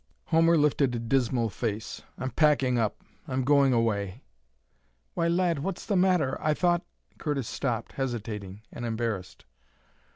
Homer lifted a dismal face. "I'm packing up. I'm going away." "Why, lad, what's the matter? I thought " Curtis stopped, hesitating and embarrassed.